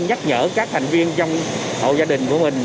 nhắc nhở các thành viên trong hộ gia đình của mình